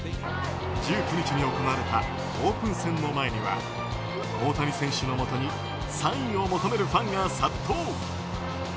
１９日に行われたオープン戦の前には大谷選手のもとにサインを求めるファンが殺到。